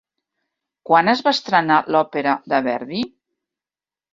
Quan es va estrenar l'òpera de Verdi?